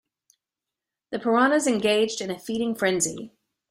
The piranhas engaged in a feeding frenzy.